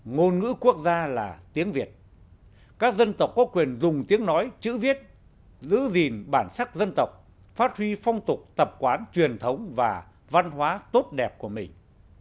ngôn ngữ quốc gia là tiếng việt các dân tộc có quyền dùng tiếng nói chữ viết giữ gìn bản sắc dân tộc phát huy phong tục tập quán truyền thống và văn hóa tốt đẹp của mình